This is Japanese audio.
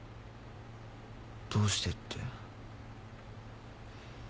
どうしてって。